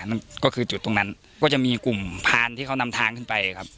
นั่นก็คือจุดตรงนั้นก็จะมีกลุ่มพานที่เขานำทางขึ้นไปครับ